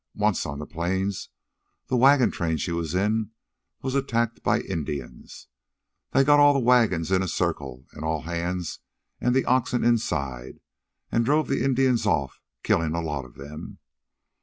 Once, on the Plains, the wagon train she was in, was attacked by Indians. They got all the wagons in a circle, an' all hands an' the oxen inside, an' drove the Indians off, killin' a lot of 'em.